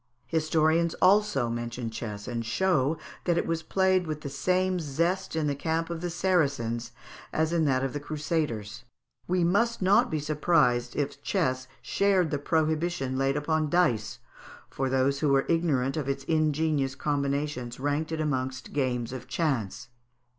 Historians also mention chess, and show that it was played with the same zest in the camp of the Saracens as in that of the Crusaders. We must not be surprised if chess shared the prohibition laid upon dice, for those who were ignorant of its ingenious combinations ranked it amongst games of chance.